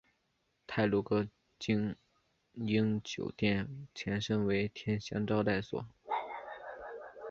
太鲁阁晶英酒店前身为天祥招待所。